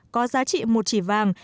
có giá trị một chỉ vàng